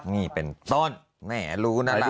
นี่เป็นต้นแหมรู้นะล่ะ